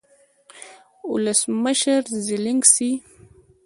ولسمشرزیلینسکي